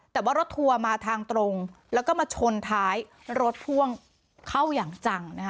แต่ว่ารถทัวร์มาทางตรงแล้วก็มาชนท้ายรถพ่วงเข้าอย่างจังนะคะ